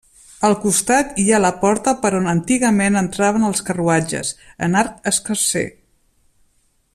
Al costat hi ha la porta per on antigament entraven els carruatges, en arc escarser.